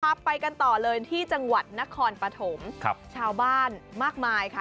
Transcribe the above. ไปกันต่อเลยที่จังหวัดนครปฐมครับชาวบ้านมากมายค่ะ